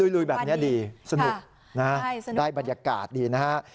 ลุยแบบนี้ดีสนุกนะฮะได้บรรยากาศดีนะฮะ